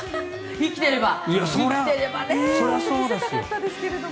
生きていればね見せたかったですけれども。